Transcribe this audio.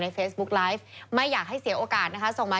ชูวิตตีแสกหน้า